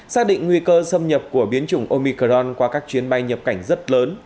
xác định nguy cơ xâm nhập của biến chủng omicron qua các chuyến bay nhập cảnh rất lớn